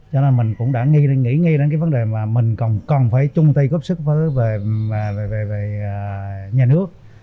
cho nên mình cũng đã nghĩ ngay đến cái vấn đề mà mình cần phải chung tay góp sức về nhà nước